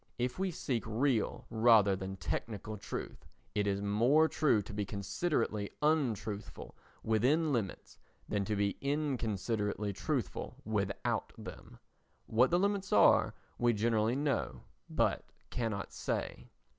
If we seek real rather than technical truth, it is more true to be considerately untruthful within limits than to be inconsiderately truthful without them. What the limits are we generally know but cannot say.